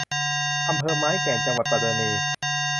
อำเภอไม้แก่น จังหวัดปัตตานี